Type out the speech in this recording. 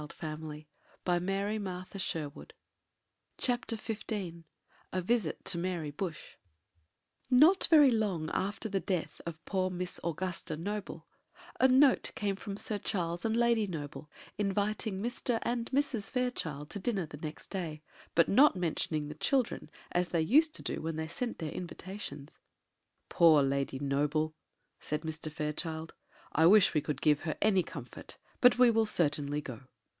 ] A Visit to Mary Bush [Illustration: The children looked at the kittens] Not very long after the death of poor Miss Augusta Noble, a note came from Sir Charles and Lady Noble, inviting Mr. and Mrs. Fairchild to dinner the next day; but not mentioning the children, as they used to do when they sent their invitations. "Poor Lady Noble!" said Mr. Fairchild; "I wish we could give her any comfort! but we will certainly go."